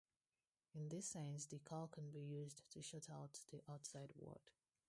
In this sense, the car can be used to shut out the outside world.